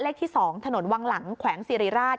เลขที่๒ถนนวังหลังแขวงสิริราช